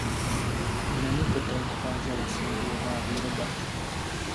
Na ně poté navázala sériová výroba.